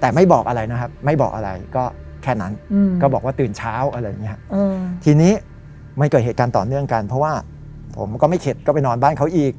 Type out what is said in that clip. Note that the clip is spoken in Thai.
แต่ไม่บอกอะไรนะครับไม่บอกอะไรก็แค่นั้นก็บอกว่าตื่นเช้าอะไรอย่างนี้ทีนี้ไม่เกิดเหตุการณ์ต่อเนื่องกันเพราะว่าผมก็ไม่เข็ดก็ไปนอนบ้านเขาอีก